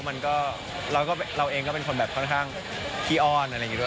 เราก็เราเองก็เป็นคนแบบค่อนข้างขี้อ้อนอะไรอย่างนี้ด้วย